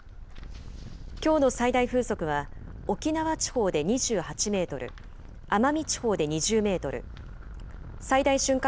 きょうの最大風速は沖縄地方で２８メートル、奄美地方で２０メートル、最大瞬間